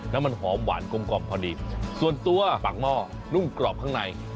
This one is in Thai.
แล้วมันหอมหวานกลมกล่อมพอดีส่วนตัวฝักหม้อนุ่มกรอบข้างใน